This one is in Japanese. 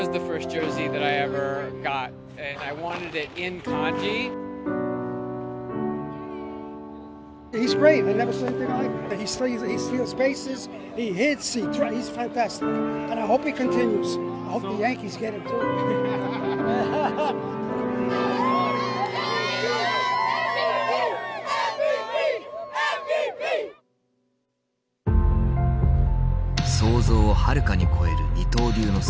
想像をはるかに超える二刀流の成功。